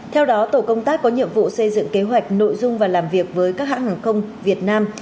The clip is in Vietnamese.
theo đó tổ công tác có nhiệm vụ xây dựng kế hoạch nội dung và làm việc với các hãng hàng không việt nam